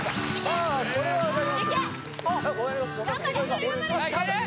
あこれ分かりますよ